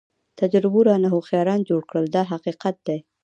تجربو رانه هوښیاران جوړ کړل دا حقیقت دی.